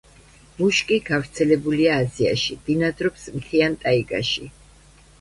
მუშკი გავრცელებულია აზიაში, ბინადრობს მთიან ტაიგაში.